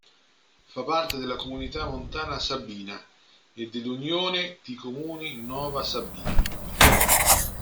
Fa parte della Comunità montana "Sabina" e dell'Unione di Comuni "Nova Sabina"